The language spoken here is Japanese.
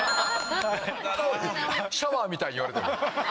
シャワーみたいに言われても。